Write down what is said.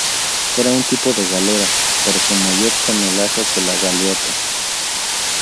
Era un tipo de galera, pero con mayor tonelaje que la galeota.